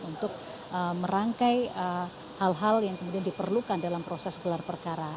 untuk merangkai hal hal yang kemudian diperlukan dalam proses gelar perkara